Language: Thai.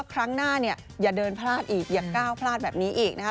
ครั้งหน้าเนี่ยอย่าเดินพลาดอีกอย่าก้าวพลาดแบบนี้อีกนะคะ